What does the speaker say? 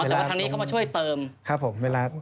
แต่อะทางนี้เขามาช่วยเติม